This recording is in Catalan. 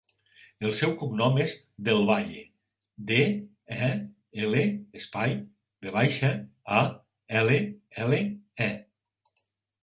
El seu cognom és Del Valle: de, e, ela, espai, ve baixa, a, ela, ela, e.